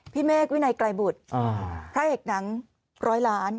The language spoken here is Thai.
เมฆวินัยไกรบุตรพระเอกหนังร้อยล้าน